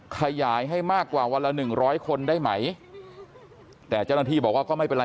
ขยายให้มากกว่าวันละหนึ่งร้อยคนได้ไหมแต่เจ้าหน้าที่บอกว่าก็ไม่เป็นไร